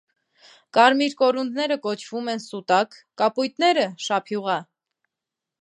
Կարմիր կորունդները կոչվում են սուտակ, կապույտները՝ շափյուղա։